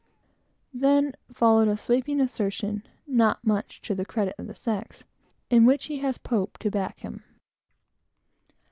Then followed a sweeping assertion, not much to the credit of the sex, if true, though he has Pope to back him.